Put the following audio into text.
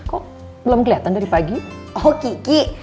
kok belum keliatan dari pagi